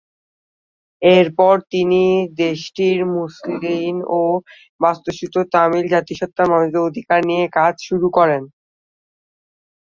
এরপর তিনি দেশটির মুসলিম ও বাস্তুচ্যুত তামিল জাতিসত্তার মানুষদের অধিকার নিয়ে কাজ শুরু করেন।